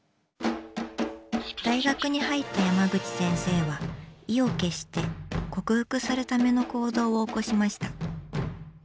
大学に入った山口先生は意を決して克服するための行動を起こしました。